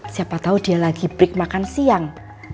siapa tahu dia lagi break makan siang